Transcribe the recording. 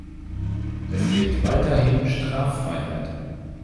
Es gilt weiterhin Straffreiheit.